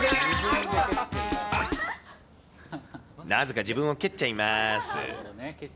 なぜか自分を蹴っちゃいます。